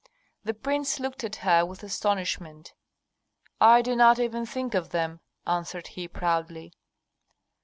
The prince looked at her with astonishment. "I do not even think of them," answered he, proudly.